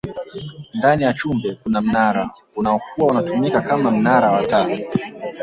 ndani ya chumbe kuna mnara uliyokuwa unatumika Kama mnara wa taa